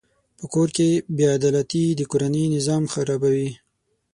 په کور کې بېعدالتي د کورنۍ نظام خرابوي.